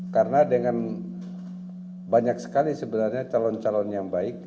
karena dengan banyak sekali sebenarnya calon calon yang baik